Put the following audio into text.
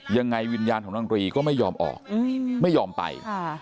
ยังไงวิญญาณของนางตรีก็ไม่ยอมออกไม่ยอมไป